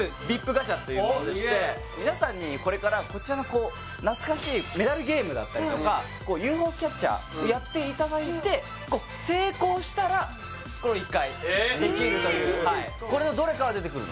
ガチャというものでして皆さんにこれからこちらの懐かしいメダルゲームだったりとかＵＦＯキャッチャーやっていただいて成功したらこれを１回できるというはいこれのどれかが出てくるの？